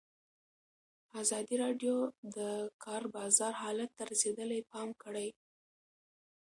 ازادي راډیو د د کار بازار حالت ته رسېدلي پام کړی.